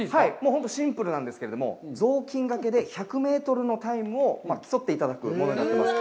本当にシンプルなんですけど、雑巾がけで１００メートルのタイムを競っていただくものになってます。